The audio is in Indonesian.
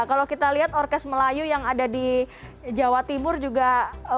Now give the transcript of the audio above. kalau kita lihat orkes melayu yang ada di jawa timur juga banyak yang dengan orang jawa timur